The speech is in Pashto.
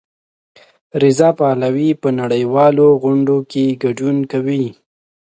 رضا پهلوي په نړیوالو غونډو کې ګډون کوي.